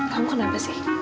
kamu kenapa sih